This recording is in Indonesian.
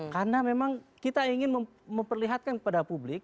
karena memang kita ingin memperlihatkan kepada publik